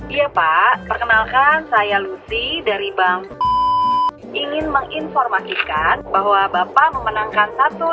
iya pak perkenalkan saya lutfi dari bang ingin menginformasikan bahwa bapak memenangkan satu